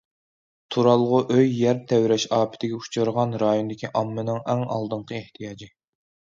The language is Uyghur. تۇرالغۇ ئۆي يەر تەۋرەش ئاپىتىگە ئۇچرىغان رايوندىكى ئاممىنىڭ ئەڭ ئالدىنقى ئېھتىياجى.